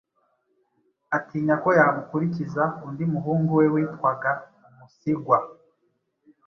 atinya ko yamukurikiza undi muhungu we witwaga Musigwa;